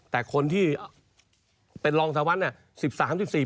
แต่คนที่เป็นรองสวรรค์เนี่ย